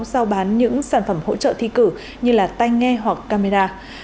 giao bán những sản phẩm hỗ trợ thi cử như tay nghe hoặc camera